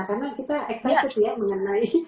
karena kita excited ya mengenai